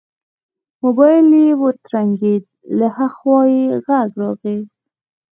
موبايل يې وترنګېد له ها خوا غږ راغی.